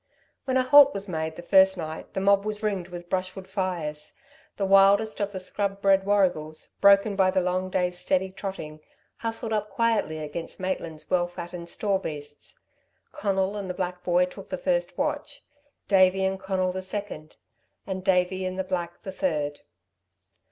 When a halt was made the first night, the mob was ringed with brushwood fires. The wildest of the scrub bred warrigals, broken by the long day's steady trotting, hustled up quietly against Maitland's well fattened store beasts. Conal and the black boy took the first watch, Davey and Conal the second, and Davey and the black the third.